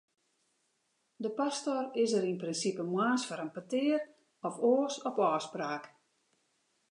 De pastor is der yn prinsipe moarns foar in petear, of oars op ôfspraak.